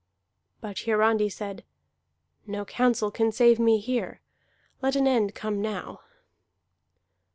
But Hiarandi said: "No counsel can save me here. Let an end come now."